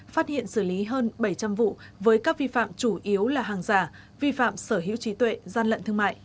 phát hiện xử lý hơn bảy trăm linh vụ với các vi phạm chủ yếu là hàng giả vi phạm sở hữu trí tuệ gian lận thương mại